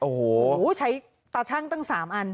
โอ้โหใช้ตาชั่งตั้ง๓อัน